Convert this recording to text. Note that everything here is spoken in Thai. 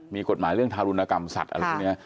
มีกฎหมายเรื่องทารุณกรรมสัตว์อะไรพวกนี้